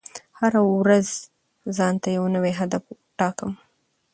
زه هره ورځ ځان ته یو نوی هدف ټاکم.